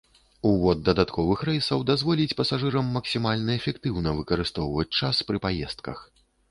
Увод дадатковых рэйсаў дазволіць пасажырам максімальна эфектыўна выкарыстоўваць час пры паездках.